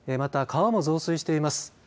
また、川も増水しています。